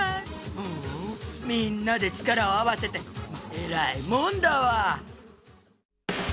うんみんなでちからをあわせてえらいもんだわ！